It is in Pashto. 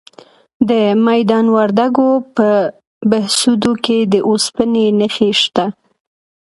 د میدان وردګو په بهسودو کې د اوسپنې نښې شته.